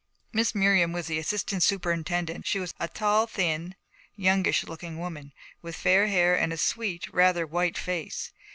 Miss Miriam was the assistant superintendent. She was a tall, thin, youngish looking woman, with fair hair and a sweet, rather white face.